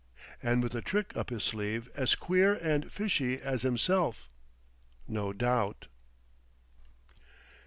And with a trick up his sleeve as queer and fishy as himself, no doubt!"